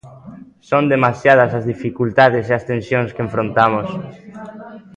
Son demasiadas as dificultades e as tensións que enfrontamos.